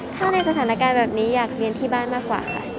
ถ้าในสถานการณ์แบบนี้อยากเรียนที่บ้านมากกว่าค่ะ